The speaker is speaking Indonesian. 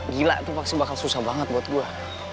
gila itu pasti bakal susah banget buat gue